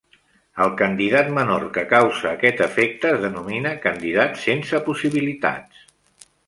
El candidat menor que causa aquest efecte es denomina "candidat sense possibilitats".